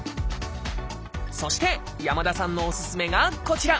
そして山田さんのおすすめがこちら。